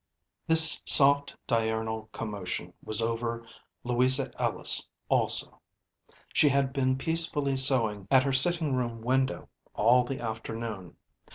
This soft diurnal commotion was over Louisa Ellis also. She had been peacefully sewing at her sitting room window all the afternoon.